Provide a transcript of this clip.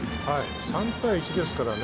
３対１ですからね。